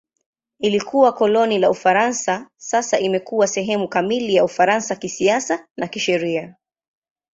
Ilikuwa koloni la Ufaransa; sasa imekuwa sehemu kamili ya Ufaransa kisiasa na kisheria.